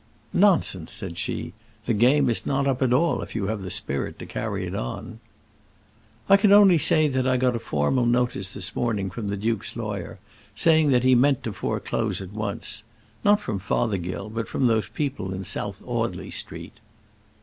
"Nonsense," said she. "The game is not up at all if you have the spirit to carry it on." "I can only say that I got a formal notice this morning from the duke's lawyer, saying that he meant to foreclose at once; not from Fothergill, but from those people in South Audley Street."